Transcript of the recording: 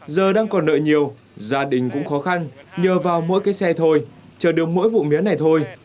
giờ đang còn nợ nhiều gia đình cũng khó khăn nhờ vào mỗi cái xe thôi chờ được mỗi vụ mía này thôi